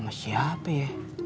sama siapa ya